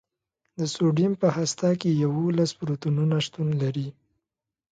د سوډیم په هسته کې یوولس پروتونونه شتون لري.